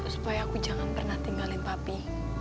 supaya aku jangan pernah tinggalin papi